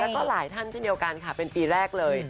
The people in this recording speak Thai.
แล้วก็หลายท่านเช่นเดียวกันค่ะเป็นปีแรกเลย